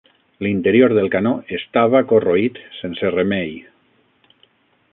L'interior del canó estava corroït sense remei.